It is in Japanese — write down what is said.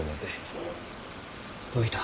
どういた？